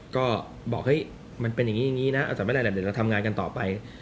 ก็บอกให้มันเป็นอย่างนี้นะแต่ไม่ไรเดี๋ยวเราทำงานกันต่อไป